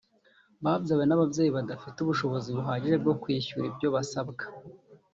babyawe n’ababyeyi badafite ubushobozi buhagije bwo kwishyura ibyo basabwa